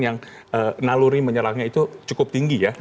yang naluri menyerangnya itu cukup tinggi ya